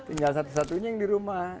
tinggal satu satunya yang di rumah